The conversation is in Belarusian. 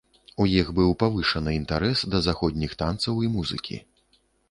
У іх быў павышаны інтарэс да заходніх танцаў і музыкі.